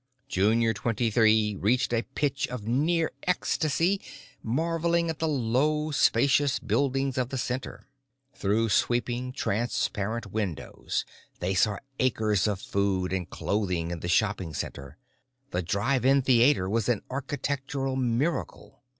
Junior Twenty Three reached a pitch of near ecstasy marveling at the low, spacious buildings of the center. Through sweeping, transparent windows they saw acres of food and clothing in the shopping center; the Drive In Theater was an architectural miracle.